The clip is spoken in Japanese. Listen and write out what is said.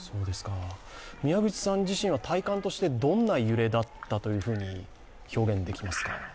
宮口さん自身は体感としてどんな揺れだったというふうに表現できますか？